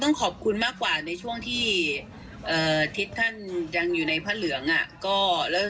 ถามว่าเครียร์กาเขาแบบนี้ไหมพี่ไม่ชอบอยู่แล้ว